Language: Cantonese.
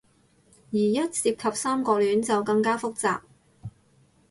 而一涉及三角戀，就更加複雜